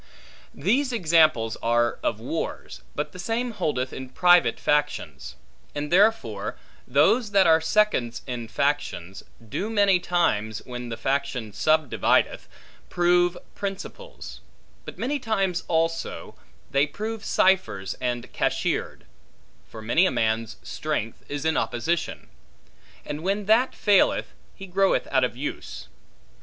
These examples are of wars, but the same holdeth in private factions. And therefore, those that are seconds in factions, do many times, when the faction subdivideth, prove principals; but many times also, they prove ciphers and cashiered; for many a man's strength is in opposition; and when that faileth, he groweth out of use.